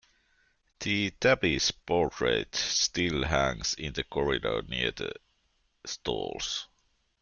The tabby's portrait still hangs in the corridor near the stalls.